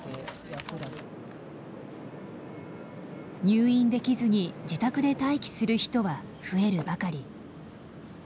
入院できずに自宅で待機する人は増えるばかり。